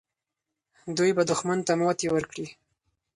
دوی به دښمن ته ماتې ورکړي.